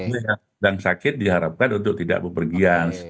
jadi yang sakit diharapkan untuk tidak bepergian